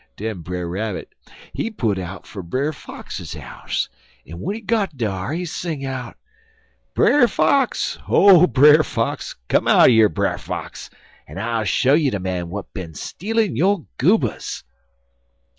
Den Brer Rabbit, he put out fer Brer Fox house, en w'en he got dar he sing out: "'Brer Fox! Oh, Brer Fox! Come out yer, Brer Fox, en I'll show you de man w'at bin stealin' yo' goobers.'